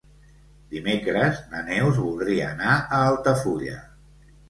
Dimecres na Neus voldria anar a Altafulla.